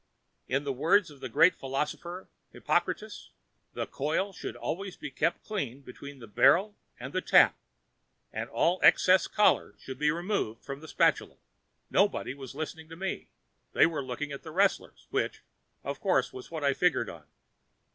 In the words of the great philosopher Hypocritus, the coil should always be kept clean between the barrel and the tap and all excess collar should be removed with a spatula." Nobody was listening to me; they were looking at the wrestlers, which, of course, was what I'd figured on.